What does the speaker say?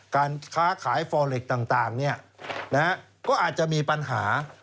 การค้าขายฟอเล็กต่างก็อาจจะมีปัญหา